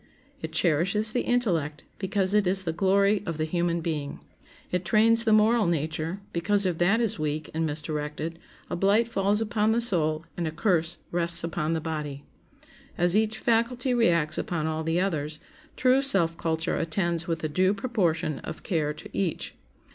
It cherishes the intellect, because it is the glory of the human being. It trains the moral nature, because if that is weak and misdirected a blight falls upon the soul and a curse rests upon the body. As each faculty reacts upon all the others, true self culture attends with a due proportion of care to each.